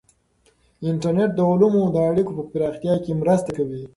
انټرنیټ د علومو د اړیکو په پراختیا کې مرسته کوي.